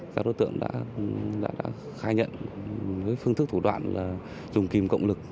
các đối tượng đã khai nhận với phương thức thủ đoạn là dùng kìm cộng lực